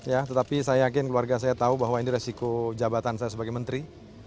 ya tetapi saya yakin keluarga saya tahu bahwa ini resiko jabatan saya sebagai menteri